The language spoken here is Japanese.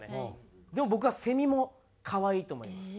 でも僕はセミも可愛いと思います。